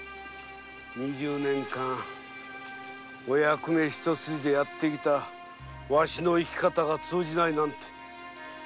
二十年間お役目一筋にやって来たワシの生き方が通じないなんて。